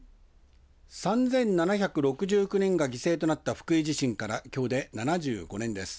３７６９人が犠牲となった福井地震からきょうで７５年です。